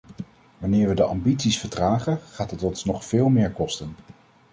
Wanneer we de ambities vertragen, gaat het ons nog veel meer kosten.